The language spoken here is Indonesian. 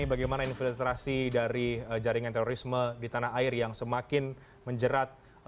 bagaimana pak ini informasi dari anda